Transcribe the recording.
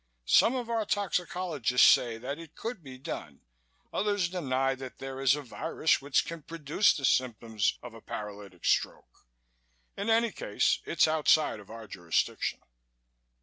Some of our toxicologists say that it could be done, others deny that there is a virus which can produce the symptoms of a paralytic stroke. In any case, it's outside of our jurisdiction."